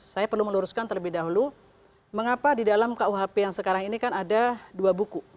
saya perlu meluruskan terlebih dahulu mengapa di dalam kuhp yang sekarang ini kan ada dua buku